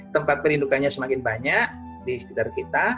tempat perindukannya semakin banyak di sekitar kita